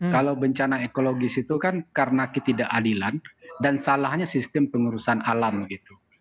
kalau bencana ekologis itu kan karena ketidakadilan dan salahnya sistem pengurusan alam gitu